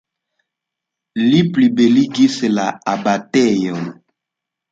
Li plibeligis la abatejon.